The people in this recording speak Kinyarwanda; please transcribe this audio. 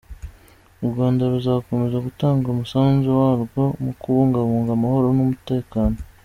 U Rwanda ruzakomeza gutanga umusanzu warwo mu kubungabunga amahoro n’umutekano ku isi.